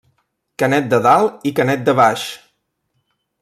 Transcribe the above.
Canet de Dalt i Canet de Baix.